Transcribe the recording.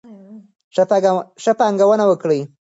ښه پانګونه وکړئ.